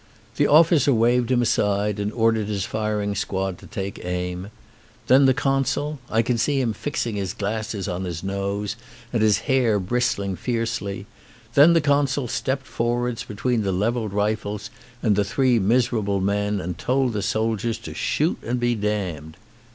The officer waved him aside and ordered his firing squad to take aim. Then the consul — I can see him fixing his glasses on his nose and his hair bristling fiercely — then the consul stepped forwards between the levelled rifles and the three miserable men, and told the soldiers to shoot and be damned.